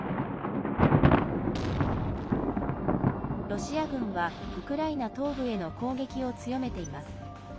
ロシア軍はウクライナ東部への攻撃を強めています。